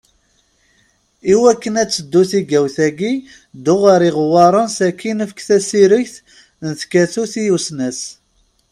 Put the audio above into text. I wakken ad teddu tigawt-agi ddu ɣer iɣewwaṛen sakin efk tasiregt n tkatut i usnas.